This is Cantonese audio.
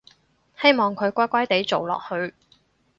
希望佢乖乖哋做落去